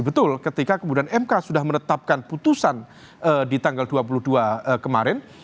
betul ketika kemudian mk sudah menetapkan putusan di tanggal dua puluh dua kemarin